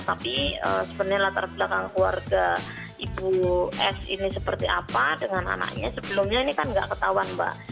tapi sebenarnya latar belakang keluarga ibu s ini seperti apa dengan anaknya sebelumnya ini kan nggak ketahuan mbak